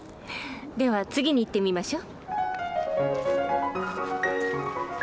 では次にいってみましょ。